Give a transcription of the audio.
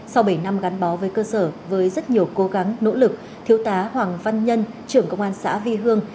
sau bảy năm gắn bó với cơ sở với rất nhiều cố gắng nỗ lực thiếu tá hoàng văn nhân trưởng công an xã vi hương